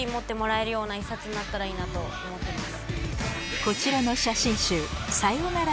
なったらいいなと思ってます。